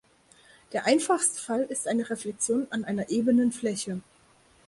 Der einfachste Fall ist eine Reflexion an einer ebenen Fläche.